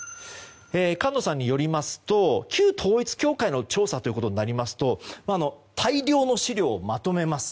菅野さんによりますと旧統一教会の調査となりますと大量の資料をまとめます。